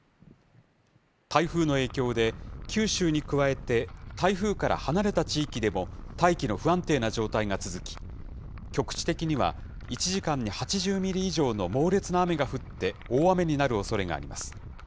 台風の影響で、九州に加えて台風から離れた地域でも、大気の不安定な状態が続き、局地的には１時間に８０ミリ以上の猛烈な雨が降って、大雨になるおそれがあります。